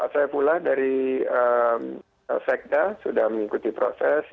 saya pula dari sekda sudah mengikuti proses